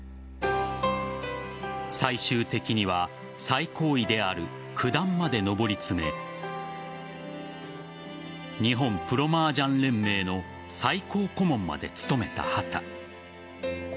最終的には最高位である九段まで上り詰め日本プロ麻雀連盟の最高顧問まで務めた畑。